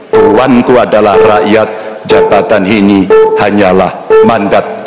hewanku adalah rakyat jabatan ini hanyalah mandat